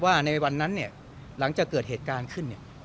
ในวันนั้นเนี่ยหลังจากเกิดเหตุการณ์ขึ้นเนี่ย